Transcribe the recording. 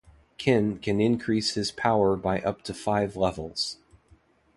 Ken can increase his power by up to five levels.